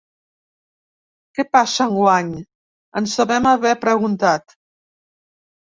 Què passa enguany?, ens devem haver preguntat.